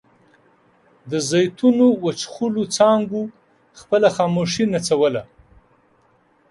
د زیتونو وچخولو څانګو خپله خاموشي نڅوله.